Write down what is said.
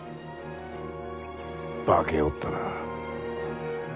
化けおったな。